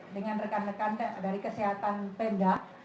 dengan rekan rekan dari kesehatan pemda